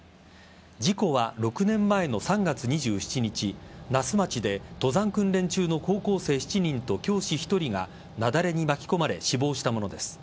事故は６年前の３月２７日那須町で登山訓練中の高校生７人と教師１人が雪崩に巻き込まれ死亡したものです。